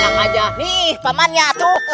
nih pamannya atuk